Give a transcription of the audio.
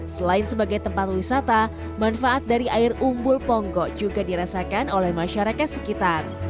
selain sebagai tempat wisata manfaat dari air umbul ponggok juga dirasakan oleh masyarakat sekitar